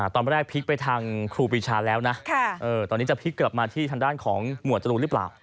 ตอนแรกพลิกไปทางครูปีชาแล้วนะตอนนี้จะพลิกกลับมาที่ทางด้านของหมวดจรูนหรือเปล่า